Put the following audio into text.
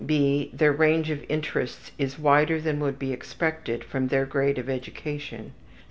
(b) Their range of interests is wider than would be expected from their grade of education.